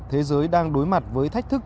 thế giới đang đối mặt với thách thức